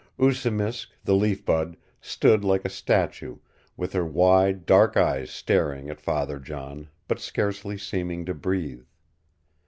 Oosimisk, the Leaf Bud, stood like a statue, with her wide, dark eyes staring at Father John, but scarcely seeming to breathe.